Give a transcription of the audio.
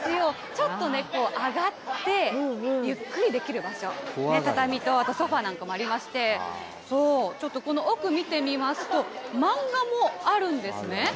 ちょっとね、上がってゆっくりできる場所、畳と、あとソファなんかもありまして、ちょっと、この奥見てみますと、漫画もあるんですね。